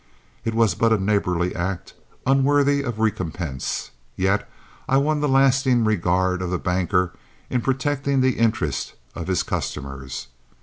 It was but a neighborly act, unworthy of recompense, yet I won the lasting regard of the banker in protecting the interests of his customers.